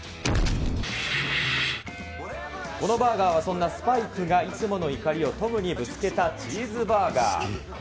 このバーガーは、そんなスパイクがいつもの怒りをトムにぶつけたチーズバーガー。